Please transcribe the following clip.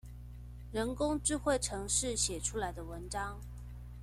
人工智慧程式寫出來的文章